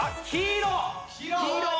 黄色。